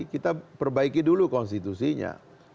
kita perbaiki dulu konstitusinya